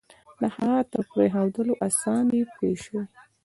د هغه تر پرېښودلو آسان دی پوه شوې!.